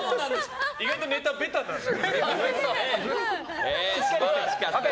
意外とネタはベタなんですね。